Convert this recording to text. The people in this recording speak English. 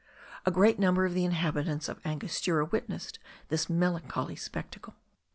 A great number of the inhabitants of Angostura witnessed this melancholy spectacle.